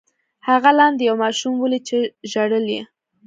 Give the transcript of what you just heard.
هغه لاندې یو ماشوم ولید چې ژړل یې.